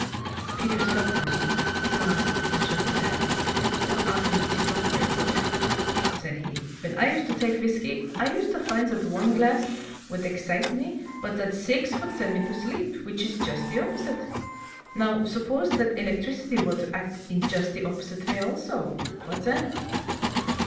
Peter Stulpnagel smiled and shook his head. "Your argument is not very good," said he. "When I used to take whisky, I used to find that one glass would excite me, but that six would send me to sleep, which is just the opposite. Now, suppose that electricity were to act in just the opposite way also, what then?"